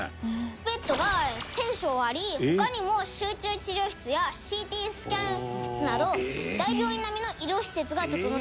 「ベッドが１０００床あり他にも集中治療室やＣＴスキャン室など大病院並みの医療施設が整っています」